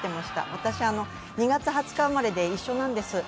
私、２月２０日生まれで一緒なんです。